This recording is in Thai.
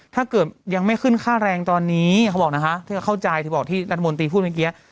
ถ้าเกิดยังไม่ขึ้นค่าแรงตอนนี้เขาบอกนะคะถ้าเข้าใจที่บอกที่รัฐมนตรีพูดเมื่อกี้